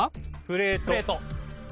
プレート。